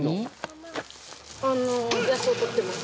野草取ってます。